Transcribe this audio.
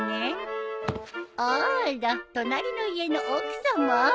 あら隣の家の奥さま。